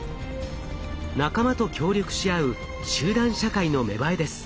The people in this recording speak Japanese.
仲間と協力し合う集団社会の芽生えです。